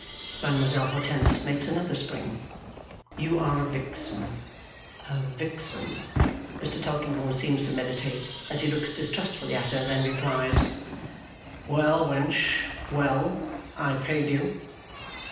Mademoiselle Hortense makes another spring. "You are a vixen, a vixen!" Mr. Tulkinghorn seems to meditate as he looks distrustfully at her, then he replies, "Well, wench, well. I paid you."